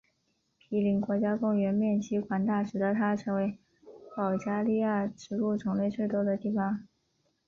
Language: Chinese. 皮林国家公园面积广大使得它成为保加利亚植物种类最多的地方。